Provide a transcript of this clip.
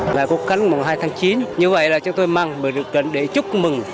ngày cuộc khánh hai tháng chín như vậy là chúng tôi mang mời được đợt để chúc mừng